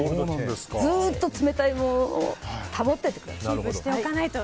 ずっと冷たいのを保っておいてください。